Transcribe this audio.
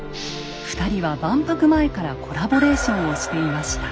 ２人は万博前からコラボレーションをしていました。